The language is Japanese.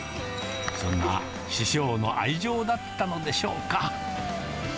そんな師匠の愛情だったのでしょうか。